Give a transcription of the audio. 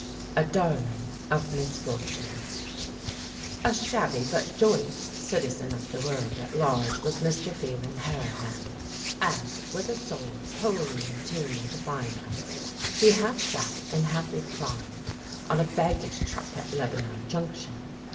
A DARLING OF MISFORTUNE A shabby but joyous citizen of the world at large was Mr. Phelan Harrihan, as, with a soul wholly in tune with the finite, he half sat and half reclined on a baggage truck at Lebanon Junction.